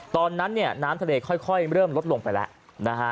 ตอนนั้นน้ำทะเลค่อยเริ่มลดลงไปแล้ว